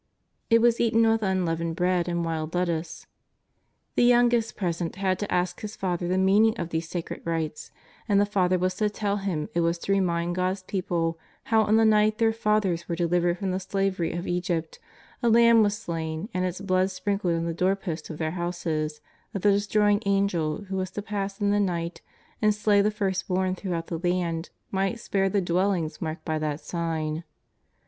It was eaten with unleavened bread and wild lettuce. The youngest present had to ask his father the meaning of these sacred rites, and the father was to tell him it was to remind God's people how on the night their fathers were de livered from the slavery of Egypt, a lamb was slain and its blood sprinkled on the doorpost of their houses that the destroying Angel who was to pass in the night and slay the firstborn throughout the land, might spare the dwellings marked by that sign.